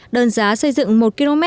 đơn giá xây dựng một km mẫu là chưa phù hợp